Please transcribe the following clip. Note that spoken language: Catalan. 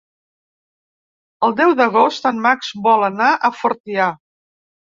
El deu d'agost en Max vol anar a Fortià.